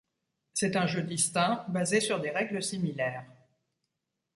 C'est un jeu distinct basé sur des règles similaires.